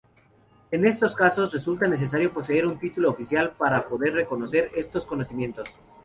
En estos casos, resulta necesario poseer un título oficial para poder reconocer estos conocimientos.